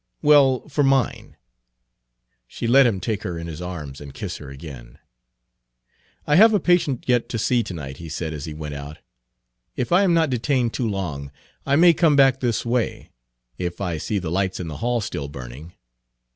"Well for mine." She let him take her in his arms and kiss her again. "I have a patient yet to see to night," he said as he went out. "If I am not detained too long, I may come back this way if I see the lights in the hall still burning.